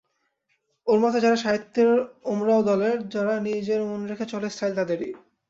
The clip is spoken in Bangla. ওর মতে যারা সাহিত্যের ওমরাও-দলের, যারা নিজের মন রেখে চলে, স্টাইল তাদেরই।